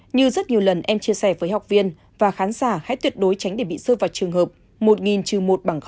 như rất nhiều lần em chia sẻ với học viên và khán giả hãy tuyệt đối tránh để bị rơi vào trường hợp trừ một bằng